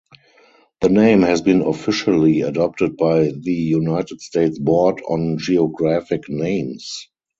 The name has been officially adopted by the United States Board on Geographic Names.